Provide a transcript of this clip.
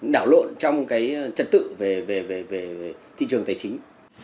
đảo lộn trong cái trật tự về thị trường tài chính